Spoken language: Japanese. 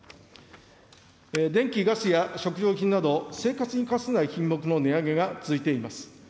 電気・ガスや食料品など、生活に欠かせない品目の値上げが続いています。